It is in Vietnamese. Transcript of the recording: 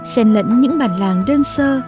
xen lẫn những bản làng đơn sơ